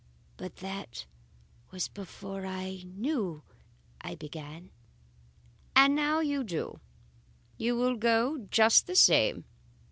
"'But that was before I knew ' I began. "'And now that you do, you will go just the same.